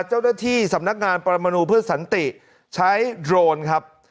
เจ้าหน้าที่สำนักงานปรมนูเพื่อสันติใช้โดรนครับ